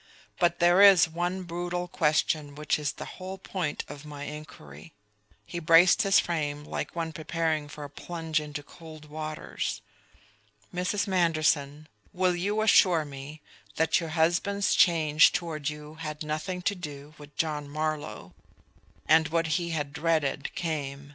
"But there is one brutal question which is the whole point of my inquiry." He braced his frame like one preparing for a plunge into cold waters. "Mrs. Manderson, will you assure me that your husband's change toward you had nothing to do with John Marlowe?" And what he had dreaded came.